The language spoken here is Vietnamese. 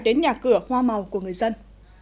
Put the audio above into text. đến nhà cửa hoa màu của người dân